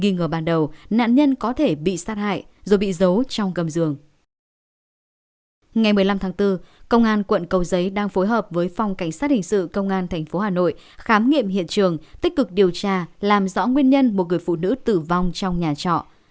ngày một mươi năm tháng bốn công an quận cầu giấy đang phối hợp với phòng cảnh sát hình sự công an tp hà nội khám nghiệm hiện trường tích cực điều tra làm rõ nguyên nhân một người phụ nữ tử vong trong nhà trọ